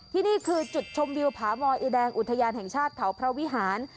นี่คือจุดชมวิวผามอยอีแดงอุทยานแห่งชาติเขาพระวิหาร